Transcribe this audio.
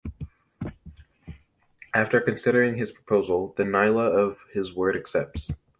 After considering his proposal, the Nyla of his world accepts.